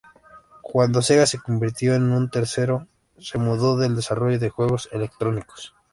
Cuando Sega se convirtió en un tercero, se mudó del desarrollo de juegos electrónicos.